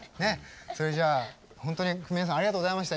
それじゃあ本当に皆さんありがとうございました。